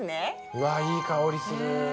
わいい香りする。